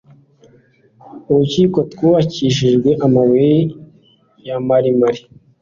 urukiko rwubakishijwe amabuye ya marimari,